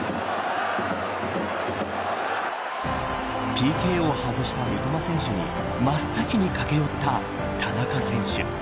ＰＫを外した三笘選手に真っ先に駆け寄った田中選手。